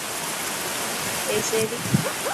ٻيسي ري.